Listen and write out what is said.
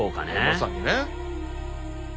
まさにね。